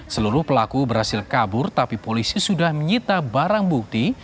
seluruh pelaku berhasil kabur tapi polisi sudah menyita barang bukti